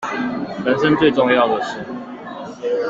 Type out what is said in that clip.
人生最重要的事